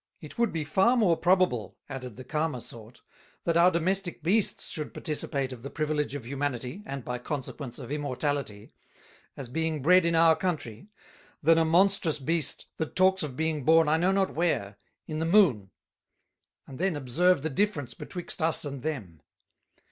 It would be far more probable, (added the calmer Sort) that our Domestick Beasts should participate of the privilege of Humanity and by consequence of Immortality, as being bred in our Country, than a Monstrous Beast that talks of being born I know not where, in the Moon; and then observe the difference betwixt us and them.